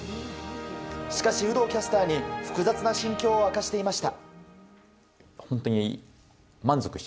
しかし、有働キャスターに複雑な心境を明かしていました。